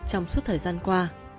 trong suốt thời gian qua